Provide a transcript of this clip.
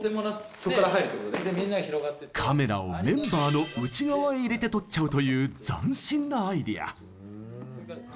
カメラをメンバーの内側へ入れて撮っちゃうという斬新なアイデア。